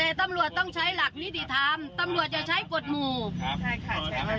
แต่ตำรวจต้องใช้หลักนิติธรรมตำรวจจะใช้กฎหมู่ครับใช่ค่ะ